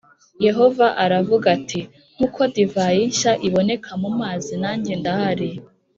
Yehova aravuga ati nk uko divayi nshya iboneka mumazi nanjye ndahari